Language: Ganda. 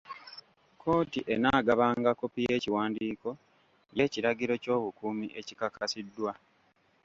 Kkooti enaagabanga kkopi y'ekiwandiiko y'ekiragiro ky'obukuumi ekikasiddwa.